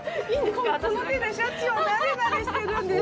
この手でシャチをなでなでしてるんです。